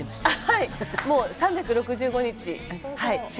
「はい」